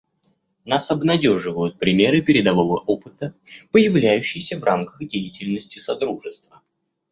Нас обнадеживают примеры передового опыта, появляющиеся в рамках деятельности Содружества.